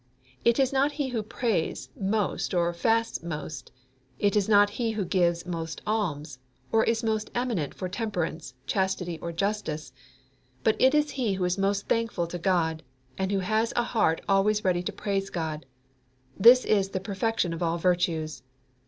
It is not he who prays most or fasts most; it is not he who gives most alms, or is most eminent for temperance, chastity, or justice. But it is he who is most thankful to God, and who has a heart always ready to praise God. This is the perfection of all virtues.